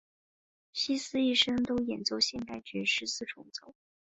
希斯一生都演奏现代爵士四重奏。